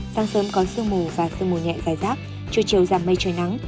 sáng sớm có sương mù và sương mù nhẹ dài rác trưa chiều giảm mây trời nắng